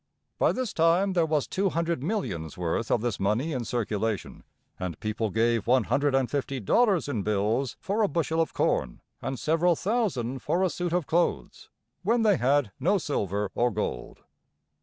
By this time there was two hundred millions' worth of this money in circulation, and people gave one hundred and fifty dollars in bills for a bushel of corn, and several thousand for a suit of clothes, when they had no silver or gold.